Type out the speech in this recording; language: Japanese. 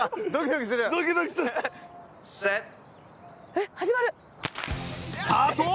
えっ始まる！スタート！